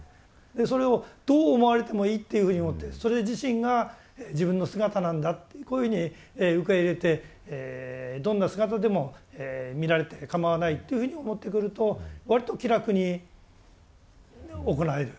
それをどう思われてもいいっていうふうに思ってそれ自身が自分の姿なんだってこういうふうに受け入れてどんな姿でも見られてかまわないというふうに思ってくるとわりと気楽に行える。